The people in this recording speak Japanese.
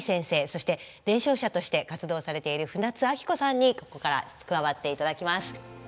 そして伝承者として活動されている船津晶子さんにここから加わっていただきます。